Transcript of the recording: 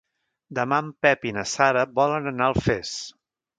Demà en Pep i na Sara volen anar a Alfés.